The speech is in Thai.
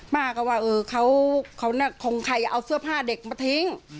ป้าก็ว่าเขาคงใครเอาเสื้อผ้าเด็กมาทิ้ง